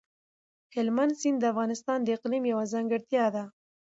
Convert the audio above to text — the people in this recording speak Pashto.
هلمند سیند د افغانستان د اقلیم یوه ځانګړتیا ده.